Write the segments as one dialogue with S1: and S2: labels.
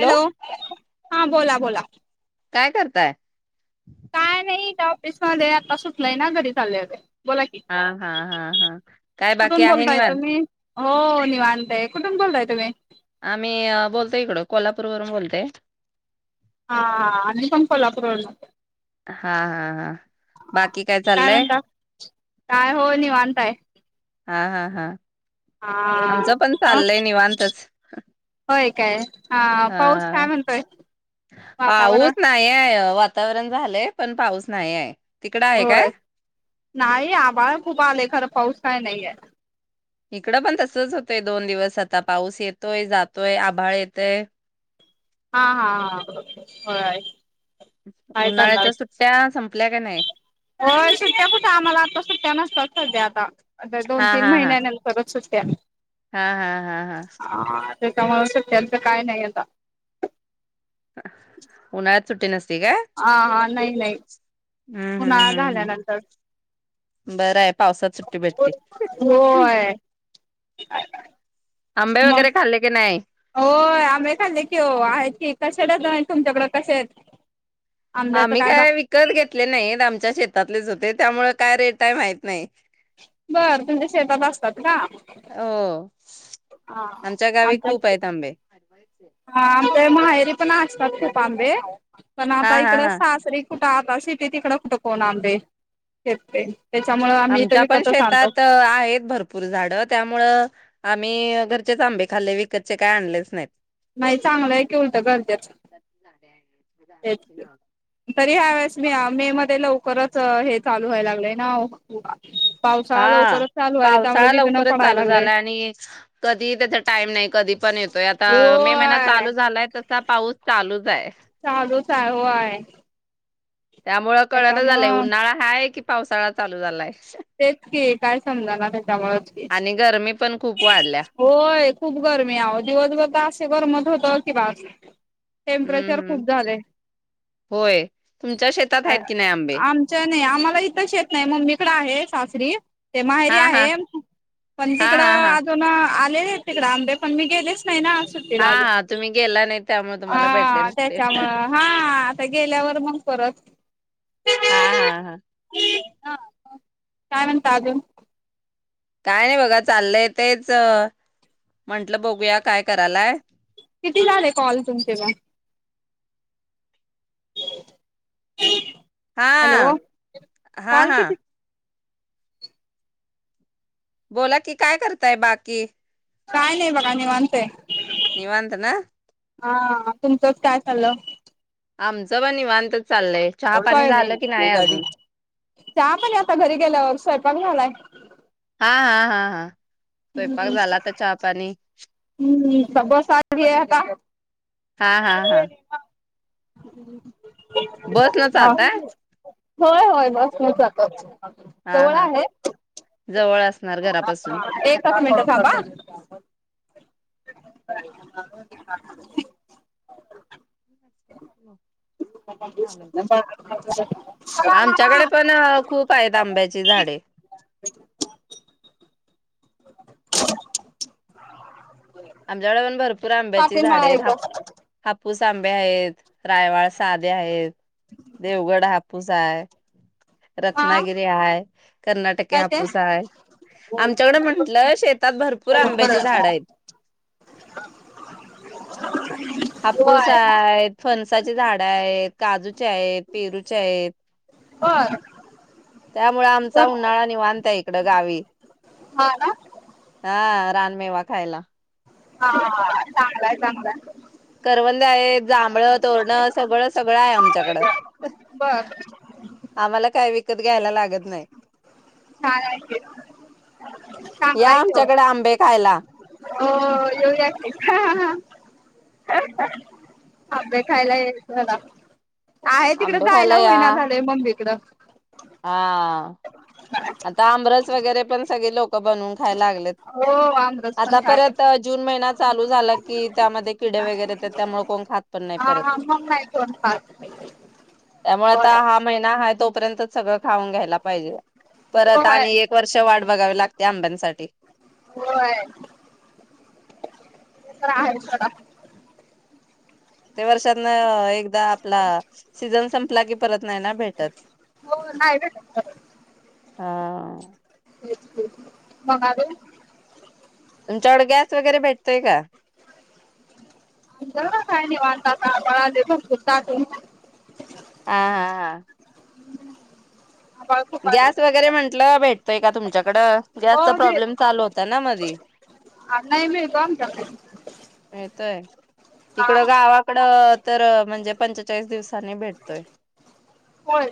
S1: Hello हा बोला बोला
S2: करताय काय
S1: काय नाही इत ऑफिसमध्ये आता सुटलाय ना घरी चाललें होते. बोला की
S2: हा हा हा हा काय बाकी
S1: कुठून
S2: आहे
S1: बोलताय
S2: निवांत?
S1: तुम्ही हो निवांतय कुठून बोलताय तुम्ही?
S2: आम्ही बोलतोय इकड कोल्हापूर वरून बोलतय.
S1: हा आमी पण कोल्हापूरवरन
S2: हा हा हा बाकी काय चाल्लय?
S1: काय होय निवांत आहे
S2: हा हा हा
S1: हा
S2: आमचं पण
S1: मग
S2: चाललंय निवांतच,
S1: होय काय हा पाऊस काय
S2: हा
S1: म्हणतोय
S2: पाऊस
S1: वातावरण
S2: नाही आहे वातावरण झालंय पण पाऊस नाही आहे. तिकडं आहे काय
S1: होय, नाही आभाळ खूप आले खरं पाऊस [unintelligible]
S2: इकडं पण तसच होतंय दोन दिवस आता, पाऊस येतोय-जातोय आभाळ येतय
S1: हा-हा-हा-होय
S2: उन्हाळ्याच्या सुट्ट्या सं [unintelligible]
S1: होय सुटटया कुठं आम्हाला आता सुट्टया नसतात सध्या आता
S2: हा
S1: दोन तीन
S2: हा हा
S1: महिन्या नंतरच सुट्टी त्या
S2: हा हा हा हा
S1: त्याच्यामुळे सुट्यांच काय नाही आता
S2: उन्हाळ्यात सुट्टी नस
S1: आ हा नाही नाही. उन्हाळा
S2: हम्म-हम्म-हम्म-हम्म!
S1: झाल्यानंतर
S2: बराय पावसात सुट्टी भेटते
S1: होय
S2: आंबे
S1: मग
S2: वगैरे खाल्ले की नाही?
S1: होय, आंबे खाल्ले कि ओ आहेत, की कसे डझन आहेत तुमच्याकडं कसे आहेत. आंब्याचं
S2: आम्ही
S1: बा
S2: काय विकत घेतले नाही आमच्या शेतातलेच होतेत त्यामुळे काय रेट आहे माहित नाही.
S1: बर तुमच्या शेतात असतात का?
S2: हो
S1: हा
S2: आमच्या गावी खुप आहेत आंबे
S1: हा आमच्या माहेरी पण असतात खूप आांबे. पण
S2: हा
S1: आता
S2: हा
S1: इकड
S2: हा
S1: सासरी कुठ आता सिटीत हिकड कुठ कोण आणतय
S2: आमच्या पण शेतात आहेत भरपूर झाड त्यामुळं आम्ही घरचेच आंबे खाल्ले विकतचे काय आणलेच नाहीत.
S1: नाही चांगलं आहे की उलटं घरचेच
S2: झाडांची नाव
S1: तरी ह्या वेळेस मी मे मध्ये लवकरच हे चालू व्हायला लागलंय ना हो?
S2: हा पावसाळा
S1: विघ्न
S2: लवकरच
S1: पडायला
S2: चालू
S1: लागलंय
S2: झालाय आणि कधी त्याचा टाइम नाही कधी पण येतोय. आता मे महिना
S1: होय
S2: चालू झालाय तर ता पाऊस चालूच हाय
S1: चालूच आहे व्हय
S2: त्यामुळं कळण झालंय उन्हाळा हाय की पावसाळा चालू झालाय.
S1: तेच की काय समजा ब
S2: आणि गरमी पण खूप वाढल्या
S1: होय खूप गरमी अहो, दिवसभर तर अस गरम होत हो ठेव की बास.
S2: हम्म
S1: टेम्परेचर
S2: हम्म
S1: खूप झालय.
S2: होय. तुमच्या शेतात आहेत की नाही आंबे
S1: आमच्या नाही आम्हाला इथं शेत नाही मम्मीकडे आहे सासर श्री ते
S2: हा
S1: माहेरी
S2: हा
S1: आहे. पण ते
S2: हा
S1: इकडं
S2: हा हा
S1: अजून आल आलेले तिकडं आंबे पण, मी गेलेच नाही ना
S2: हा
S1: सुट्टीला अजून
S2: हा तुम्ही गेला नाही त्यामुळे तुम्हाला भेटले
S1: हा
S2: नसतील
S1: त्याच्यामुळे हा आता गेल्यावर मग परत
S2: हा हा हा
S1: ह काय म्हणता अजून?
S2: काय नाही बघा चाललंय, तेच म्हंटलं बघूया काय करायलाय.
S1: किती झाले कॉल तुमचे पण? [inaudible]
S2: हा
S1: हॅलो
S2: हा
S1: कॉल
S2: हा
S1: किती
S2: बोला कि काय करताय बाकी?
S1: काय नाही बघा निवांताय.
S2: निवांत ना?
S1: हा तुमचंच काय चालं?
S2: आमच पण निवांत!
S1: सॉरी चहा पाणी आता घरी गेल्यावरच सैपाक चांगला आलाय.
S2: हा हा हा हा स्वयंपाक झाला आता चहा पाणी
S1: मी बस आत गेली आता
S2: हा हा हा
S1: [inaudible]
S2: बस न
S1: हा
S2: जाताय?
S1: होय होय बस नं जातोच.
S2: हा
S1: जवळ
S2: हा
S1: आहे
S2: जवळ असणार घरापासून
S1: [unintelligible] एकच मिनिटं थांबा [unintelligible] [unintelligible] [unintelligible]
S2: आमच्याकडे पण खूप आहेत आंब्याची झाडे.
S1: [unintelligible] [inaudible]
S2: आमच्याकडे पण भरपूर आंब्याची
S1: पाटील मळा
S2: झाडे आहेत,
S1: एकदा
S2: हाप हापूस तांबे आहेत. रायवाड साधे आहेत देवगड हापूस हाय [inaudible]
S1: हा
S2: रत्नागिरी हाय, कर्नाटकी
S1: काय ते
S2: हापूस हाय, आमच्याकडं म्हटलं शेतात भरपूर आंब्याची झाडं आहेत [inaudible] हापूस
S1: होय
S2: आहेत, फणसाची झाडं आहेत. हेत काजूच्या आहेत, पेरूच्या आहेत
S1: बरं
S2: त्यामुळे आमचा उन्हाळा निवांत हाय इकडं गावी
S1: हा ना
S2: हा रानमेवा खायला.
S1: हा चांगलाय चांगलाय
S2: करवंद आहे, जांभळ, तोरण सगळं सगळं आहे आमच्याकडं
S1: बर
S2: आम्हाला काय विक [unintelligible] घ्यायला लागत. नाही
S1: छान हाय की, चांगला
S2: या
S1: आहे की ओ
S2: आमच्याकडे आंबे खायला
S1: हो येऊया की हा हा हा! [unintelligible] आंबे खायला यायचं आहे तिकडं
S2: आंबे
S1: जायला
S2: खायला या
S1: होईना झालंय मम्मी कडं.
S2: हा आता आमरस वगैरे पण सगळे लोकं बनवू काय लागलेत
S1: हो आमरस पण
S2: आता
S1: खायला
S2: परत जून महिना चालू झाला की त्यामध्ये किडे वैगरे येत्यात, त्यामुळे कोण खात पण नाहीत
S1: हा
S2: परत,
S1: हा मग नाही कोण खात
S2: त्यामुळे आता
S1: होय
S2: हा महिना हाय तो [unintelligible] सगळं. खाऊन घ्यायला पाहिजे, परत
S1: होय
S2: आणि एक वर्ष वाट बघावी लागते आंब्यांसाठी.
S1: होय ते तर आहेचं सोडा.
S2: ते वर्षातनं एकदा आपला सीझन संपला की परत नाही ना भेटत.
S1: हो नाही भेटत परत
S2: हा!
S1: तेच की म्हणाले
S2: तुमच्याकडे गॅस वगैरे भेटतोय का?
S1: तुमच्याकड काय निवांत असलं आभाळ आलंय भरपूर दाटून.
S2: हा हा हा
S1: [inaudible] आलय.
S2: गॅस वगैरे म्हंटलं भेटतोय का तुमच्याकड
S1: हो
S2: गॅसचा
S1: मिळेल
S2: प्रॉब्लेम चालू होता ना मधी
S1: नाही मिळतो आमच्याकडे
S2: मिळतोय
S1: हा
S2: इकड गावाकड तर म्हणजे पंचेचाळीस दिवस कनी भेटतोय.
S1: होय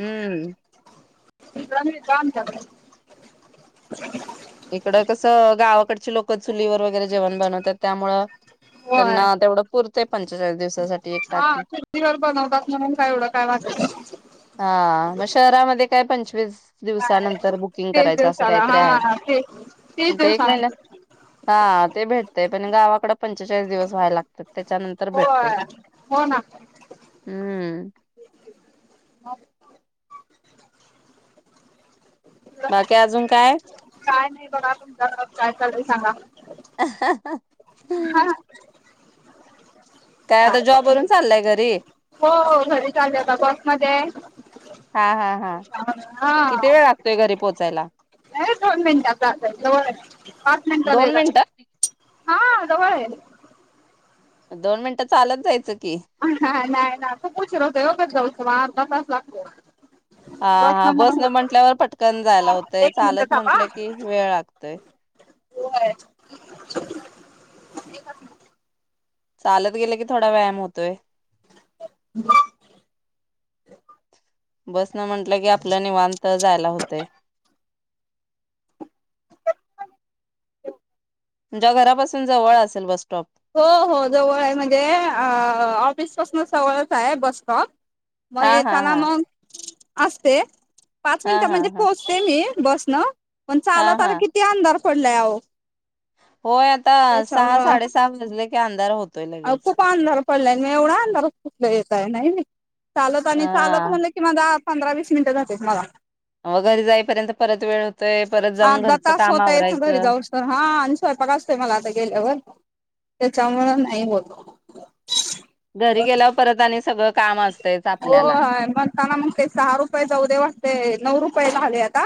S2: हम्म
S1: इकडं मिळतो आमच्याकड.
S2: इकड कसं गावाकड जे लोक चुलीवर वगैरे जेवण बनवतात त्यामुळं
S1: होय
S2: त्यांना तेवढं पुरतं पंचेचाळीस दिवसासाठी एक
S1: हा
S2: टाकी.
S1: चुलीवर बनवतात म्हणून काय एवढं काय वाटत नाही.
S2: हा मग शहरामध्ये काय पंचवीस
S1: हा
S2: दिवसानंतर बुकिंग
S1: तीस
S2: करायचं असं
S1: दिवसाला
S2: काहीतरी
S1: हा
S2: आहे.
S1: हा ती
S2: ते एक महिना हा ते भेट ते पण गावाकड पंचेचाळीस दिवस व्हायला लागतात त्याच्यानंतर भेटतय
S1: होय हो ना
S2: हम्म [inaudible]
S1: [unintelligible]
S2: बाकी अजून काय?
S1: काय नाही बघा तुमच्याकडं काय चालय सांगा.
S2: [inaudible] काय आता जॉब वरून चाललाय घरी
S1: हो हो घरी चाले आता बस मध्ये आहे.
S2: हा हा हा
S1: हा
S2: चला
S1: लगेच दोन मिनटात जातंय जवळ हाय. पाच मिनटं लई
S2: दोन
S1: झालं
S2: मिनिटं
S1: हा जवळ आहे.
S2: दोन मिनिटं चालत जायचं. की
S1: हा नाही ना खूप उशीर होतोय ओ घरी जाऊस मग अर्धातास लागतोय.
S2: हा हा बस न म्हटल्यावर पटकन जायला
S1: होत
S2: होतंय
S1: एक मिनिट
S2: चालत
S1: थांबा
S2: म्हटलं की वेळ लागतोय.
S1: होय.....
S2: चालत गेले की थोडा व्यायाम होतोय.
S1: ब [inaudible]
S2: बसन नी म्हटलं की आपल नीवांतच. जायला होतय तुमच्या घरापासून जवळ असेल बस स्टॉप.
S1: हो हो जवळ आहे म्हणजे ऑफिस पासूनच जवळच आहे बस स्टॉप म
S2: हा हा
S1: येताना
S2: हा
S1: मग? असते. पाच
S2: हा
S1: मिनिटा
S2: हा
S1: मध्ये
S2: हा
S1: पोहचते मी. बस न? पण
S2: हा
S1: चालत आलं
S2: हा
S1: किती अंधार पडले अहो.
S2: होय आता सहा साडे सहा वाजले. की अंधार होत
S1: आहो खूप अंधार? पडल्यान मी एवढा अंधराच कुठल येताय नाही नाही चालत आणि चालत
S2: हा
S1: म्हणलं कि माझा पंधरा वीस मिनिट जात्यात मला.
S2: मग घरी जाईपर्यंत परत वेळ होतोय परत जाऊन
S1: अर्धा
S2: घरचं
S1: तास
S2: काम
S1: होतोय इथून घरी
S2: आवरायचं.
S1: जाऊस तवर हा आणि स्वयंपाक असतोय मला आता गेल्यावर त्याच्या मूळ नाय नाही होत
S2: घरी गेल्यावर परत आणि सगळं काम असतेच
S1: हो
S2: आपल्याला
S1: म्हणताना म्हणतंय सहा रुपये जाऊ दे वाटतय नऊ रुपये झाले आता.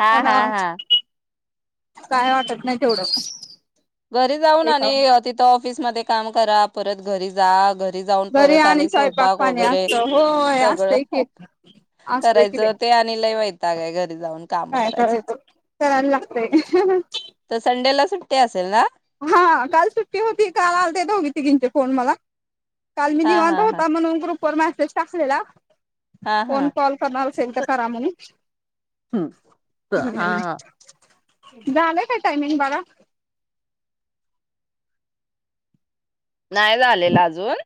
S2: हा
S1: पण
S2: हा हा
S1: काय वाटत नाही तेवढं
S2: घरी जाऊन आणि
S1: त्याच्या
S2: तिथं ऑफिसमध्ये काम करा परत घरी जा घरी ते जाऊन
S1: घरी
S2: परत आणि स्वयंपाक
S1: पाणी
S2: वगैरे
S1: असत होय
S2: सगळं
S1: असतय
S2: ह
S1: की असतय की बाई
S2: करायचं ते आणि लय वय काय काय काय ग
S1: काय करायचं, कराय लागतेय हह ह
S2: सुट्या.... चला
S1: हा काल सुट्टी होती काल आलते दोघी तिघींचे फोन मला. काल मी
S2: हा
S1: निवांत
S2: हा हा
S1: होता म्हणून ग्रुप पर मेसेज टाकलेला
S2: हा
S1: फोन
S2: हा
S1: कॉल करणार असेल तर करा म्हणून
S2: हम्म हा
S1: हम
S2: हा
S1: झालंय काय टायमिंग बघा
S2: नाय झालेल अजून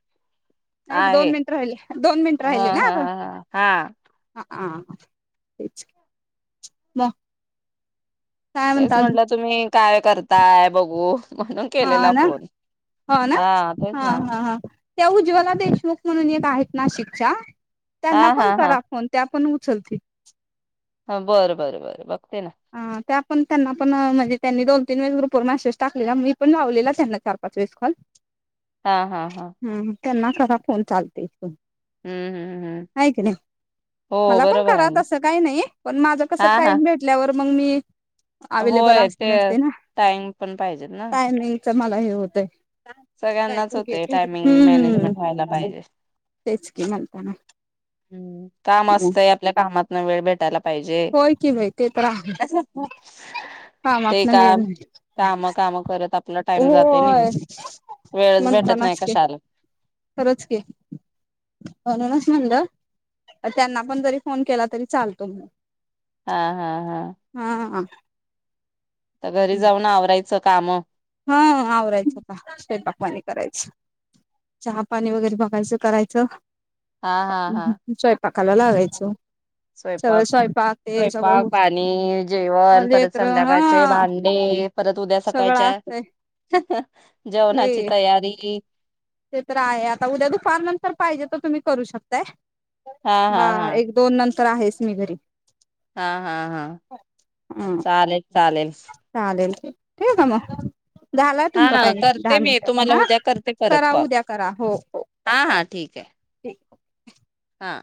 S1: एक
S2: आहे
S1: दोन मिनिट राहिले दोन मिनिट
S2: हं हं हं हा
S1: आ तेच मग काय
S2: तेच
S1: म्हणता अजून
S2: म्हटलं तुम्ही काय करताय बघू म्हणून
S1: हा
S2: केलेला
S1: ना
S2: फोन
S1: हो ना
S2: तेच
S1: हा
S2: ना
S1: हा हा त्या उज्ज्वला देशमुख म्हणून एक आहेत नाशिकच्या
S2: हा
S1: त्यांना
S2: हा
S1: पण
S2: हा
S1: करा फोन त्या पण उ चलते
S2: हं बरं बरं बर ब
S1: आ त्या पण त्यांना पण अ म्हणजे त्यांनी दोन-तीन वेळे ग्रुप पर मेसेज टाकलेला मी पण लावलेला त्यांना चार-पाच वेळेस कॉल
S2: हा हा हा
S1: त्यांना कसा फोन चालते?
S2: हम्म हम्म हम्म
S1: हाय की नाही
S2: हो
S1: मला पण
S2: बरोबर आहे
S1: करा
S2: ना
S1: तस काही नाही पण माझं कसं
S2: हा हा
S1: टाइम भेट तर मग मी अवेलेबल
S2: होय ते
S1: असते नसते ना
S2: टाइम पण पाहिजेत ना
S1: टायमिंगच मला हे होतय काय
S2: सगळ्यांनाच
S1: पण
S2: होते,
S1: घेत
S2: टायमिंग
S1: हम्म
S2: मॅनेजमेंट व्हायला पाहिजे,
S1: तेच की म्हणताना
S2: हुं काम असतय आपल्या कामातन वेळ भेटायला पाहिजे
S1: होय की बाय ते तर आहे
S2: ते
S1: कामातन
S2: का
S1: वेळ मिळतो
S2: काम-काम करत आपला टाइम जातो निघून
S1: होय
S2: वेळच भेटत नाही काशाला
S1: खरच की म्हणूनच म्हणलं त्यांना पण जरी फोन केला तरी चालतो म्हणून
S2: हा हा हा
S1: हा
S2: आता घरी जाउन आवरायचा काम
S1: हा आवरायच पा स्वयंपाक पाणी करायच चहा पाणी वगैरे बघायच करायच
S2: हा हा हा
S1: लागायचं सगळं
S2: स्वयंपाक
S1: ते सगळं
S2: स्वयंपाक पाणी जेवण परत
S1: लेकर
S2: संध्याकाळचे
S1: हा
S2: भांडे परत उद्या
S1: सगळं
S2: सकाळच्या
S1: असतंय
S2: [inaudible] जेवणाची
S1: लय
S2: तयारी
S1: ते तर आहे आता उद्या दुपारनंतर पाहिजे तर तुम्ही करू शकताय.
S2: हा
S1: [inaudible]
S2: हा
S1: बाहा
S2: हा
S1: एक दोन नंत तर आहेस मी घरी.
S2: हा हा हा चालेल चालेल
S1: हा ठेवू का म?
S2: हा ना करते मी तुम्हाला
S1: हा
S2: उद्या करते, परत
S1: करा
S2: कॉल
S1: उद्या करा हो हो
S2: हा हा ठीक आहे
S1: ठीक
S2: हा